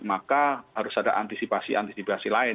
maka harus ada antisipasi antisipasi lain